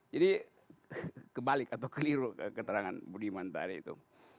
jadi kebalik atau keliru keterangan budi mandari itu